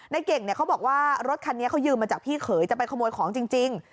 เก่งเขาบอกว่ารถคันนี้เขายืมมาจากพี่เขยจะไปขโมยของจริง